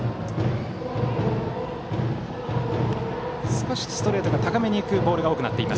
少しストレートが高めに浮くボールが多くなっています。